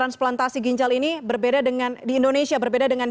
agar perubahan sebenarnya nggak mele slightly